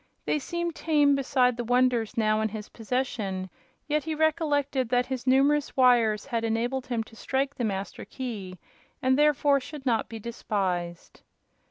They seemed tame beside the wonders now in his possession; yet he recollected that his numerous wires had enabled him to strike the Master Key, and therefore should not be despised.